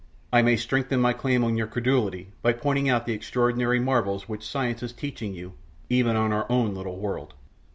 I may strengthen my claim on your credulity by pointing out the extraordinary marvels which science is teaching you even on our own little world.